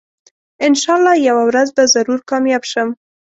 انشاالله یوه ورځ به ضرور کامیاب شم